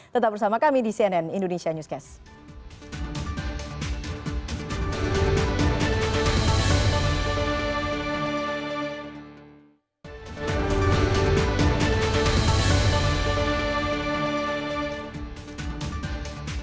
tetap bersama kami di cnn indonesia newscast